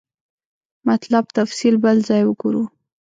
مطلب تفصیل بل ځای وګورو.